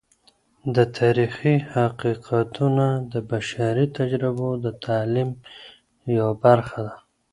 د تاریخی حقیقتونه د بشري تجربو د تعلیم یوه برخه ده.